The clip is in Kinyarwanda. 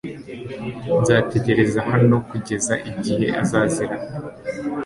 Nzategereza hano kugeza igihe azazira .